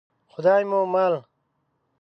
خدای مو مل.